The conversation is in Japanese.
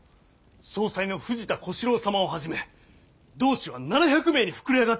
総裁の藤田小四郎様をはじめ同志は７００名に膨れ上がっております。